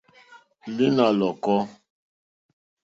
Lǐnà lɔ̀kɔ́.